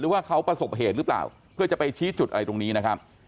ว่าเขาประสบเหตุหรือเปล่าเพื่อจะไปชี้จุดอะไรตรงนี้นะครับ